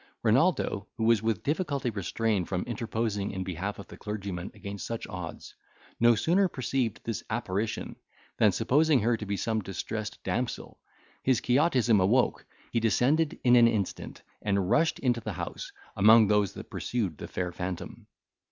Renaldo, who was with difficulty restrained from interposing in behalf of the clergyman against such odds, no sooner perceived this apparition, than, supposing her to be some distressed damsel, his Quixotism awoke, he descended in an instant, and rushed into the house, among those that pursued the fair phantom.